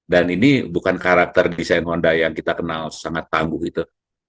dan ini bukan karakter desain honda yang kita kenal sangat tangguh gitu